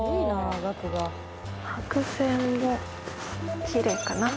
白線もきれいかな。